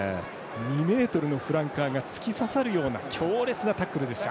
２ｍのフランカーが突き刺さるような強烈なタックルでした。